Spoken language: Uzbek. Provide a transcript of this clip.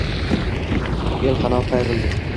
El qanoti qayrildi